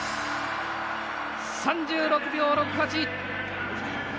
３６秒６８。